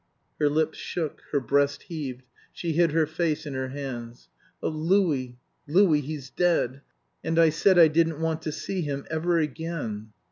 Her lips shook; her breast heaved; she hid her face in her hands. "Oh, Louis, Louis, he's dead! And I said I didn't want to see him ever again!"